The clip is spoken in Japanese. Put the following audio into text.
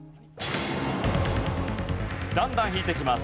だんだん引いていきます。